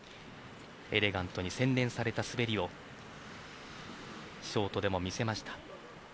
エレガントに洗練された滑りをショートでも見せました。